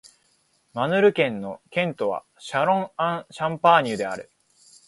マルヌ県の県都はシャロン＝アン＝シャンパーニュである